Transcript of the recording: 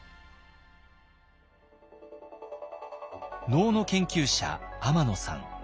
能の研究者天野さん。